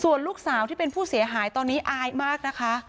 ส่วนลูกสาวที่เป็นผู้เสียหายตอนนี้อายมากนะคะ